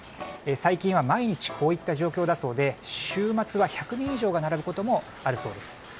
最近は毎日こういった状況だそうで週末は１００人以上が並ぶこともあるそうです。